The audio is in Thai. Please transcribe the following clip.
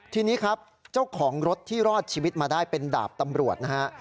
ทีนี้ครับเจ้าของรถที่รอดชีวิตมาได้เป็นดาบตำรวจนะฮะ